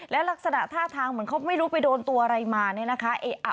และลักษณะท่าทางเหมือนเขาไม่รู้ไปโดนตัวอะไรมาเนี่ยนะคะ